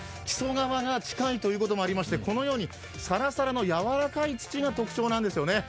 木曽川が近いということもありまして、このようにサラサラのやわらかい土が特徴なんです。